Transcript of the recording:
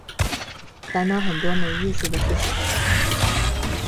烦恼很多没意思的事情